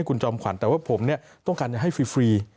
คุณจอมขวัญแต่ว่าผมต้องการจะให้ฟรี